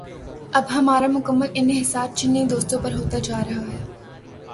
اب ہمارا مکمل انحصار چینی دوستوں پہ ہوتا جا رہا ہے۔